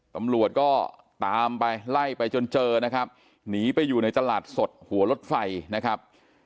ตำรวจก็ตามไปไล่ไปจนเจอนะครับหนีไปอยู่ในตลาดสดหัวรถไฟนะครับ